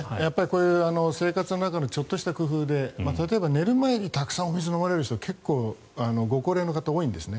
生活の中のちょっとした工夫で例えば寝る前にたくさんお水を飲まれる人はご高齢の方、結構多いんですね。